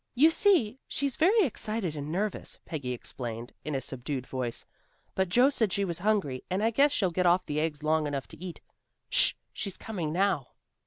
"You see, she's very excited and nervous," Peggy explained, in a subdued voice. "But Joe said she was hungry, and I guess she'll get off the eggs long enough to eat. Sh! She's coming now!"